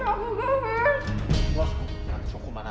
jangan suku jangan suku manat